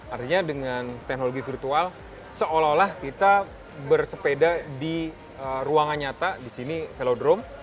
artinya dengan teknologi virtual seolah olah kita bersepeda di ruangan nyata di sini velodrome